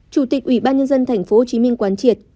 chủ tịch ủy ban nhân dân tp hcm quán triệt